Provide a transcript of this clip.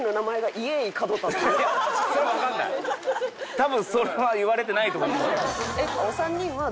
多分それは言われてないと思いますよ。